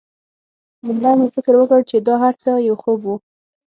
لومړی مې فکر وکړ چې دا هرڅه یو خوب و